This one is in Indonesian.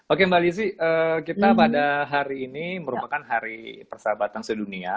oke mbak lizzie kita pada hari ini merupakan hari persahabatan sedunia